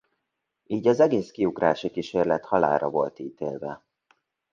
Így az egész kiugrási kísérlet halálra volt ítélve.